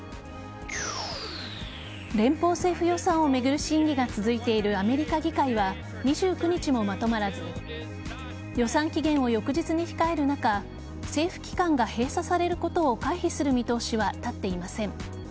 連邦政府予算を巡る審議が続いているアメリカ議会は２９日もまとまらず予算期限を翌日に控える中政府機関が閉鎖されることを回避する見通しは立っていません。